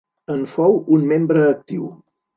En fou un membre actiu.